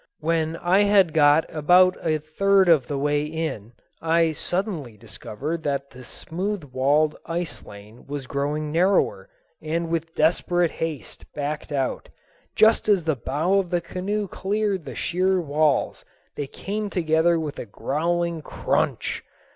When I had got about a third of the way in, I suddenly discovered that the smooth walled ice lane was growing narrower, and with desperate haste backed out. Just as the bow of the canoe cleared the sheer walls they came together with a growling crunch.